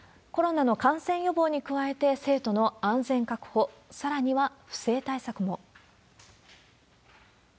コロナの感染予防に加えて、生徒の安全確保、さらには不正対策も。